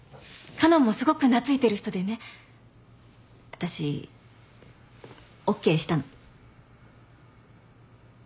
花音もすごく懐いてる人でね私ＯＫしたの。